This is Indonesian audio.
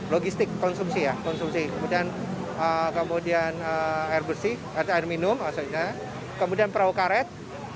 logistik konsumsi konsumsi kemudian kemudian air bersih air minum maksudnya kemudian perahu karet